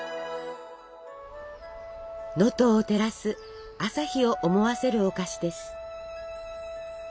能登を照らす朝日を思わせるお菓子です。